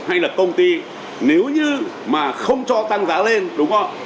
hay là công ty nếu như mà không cho tăng giá lên đúng không